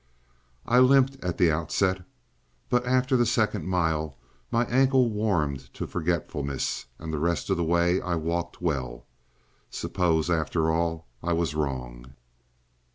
I limped at the outset, but after the second mile my ankle warmed to forgetfulness, and the rest of the way I walked well. Suppose, after all, I was wrong?